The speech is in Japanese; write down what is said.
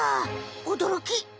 おどろき！